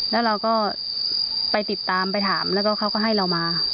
แล้วเราก็ไปติดตามไปถามแล้วก็เขาก็ให้เรามา